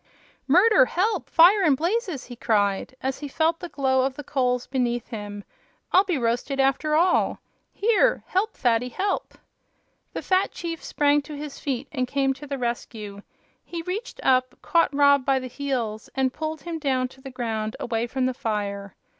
"Murder! Help! Fire and blazes!" he cried, as he felt the glow of the coals beneath him. "I'll be roasted, after all! Here; help, Fatty, help!" The fat chief sprang to his feet and came to the rescue. He reached up, caught Rob by the heels, and pulled him down to the ground, away from the fire.